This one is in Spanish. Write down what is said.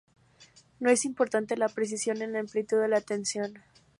No es importante la precisión en la amplitud de la tensión.